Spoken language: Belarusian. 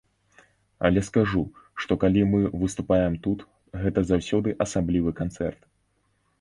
Але скажу, што калі мы выступаем тут, гэта заўсёды асаблівы канцэрт.